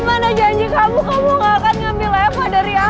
ma ma na janji kamu kamu nggak akan ngambil eva dari aku